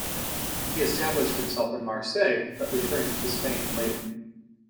He established himself in Marseille, but returned to Spain later.